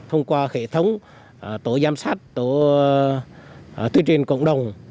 thông qua hệ thống tổ giám sát tổ tuyên truyền cộng đồng